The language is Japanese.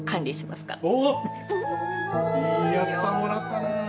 すごい！いい奥さんもらったな。